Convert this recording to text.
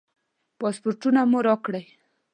پاسپورټونه مو راکړئ.